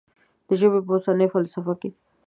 د ژبې په اوسنۍ فلسفه کې.